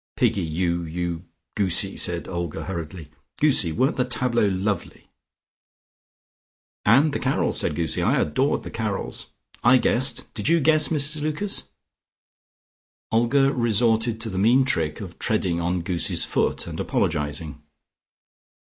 "Piggy, you you Goosie," said Olga hurriedly. "Goosie, weren't the tableaux lovely?" "And the carols," said Goosie. "I adored the carols. I guessed. Did you guess, Mrs Lucas?" Olga resorted to the mean trick of treading on Goosie's foot and apologising.